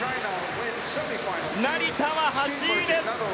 成田は８位です。